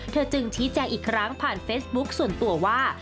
จึงชี้แจงอีกครั้งผ่านเฟซบุ๊คส่วนตัวว่า